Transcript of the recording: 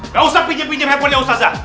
nggak usah pinjem pinjem handphonenya ustazah